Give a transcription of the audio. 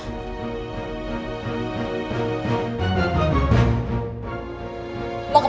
aku mau caranya seperti ini